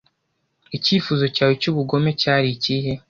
icyifuzo cyawe cyubugome cyari ikihe